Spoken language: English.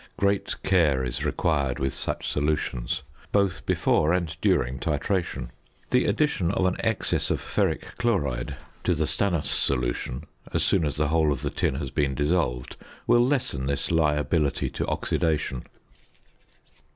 Great care is required with such solutions, both before and during titration. The addition of an excess of ferric chloride to the stannous solution, as soon as the whole of the tin has been dissolved, will lessen this liability to oxidation.